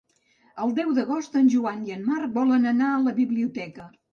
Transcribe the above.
El deu d'agost en Joan i en Marc volen anar a la biblioteca.